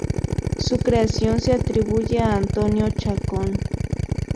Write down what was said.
Su creación se atribuye a Antonio Chacón.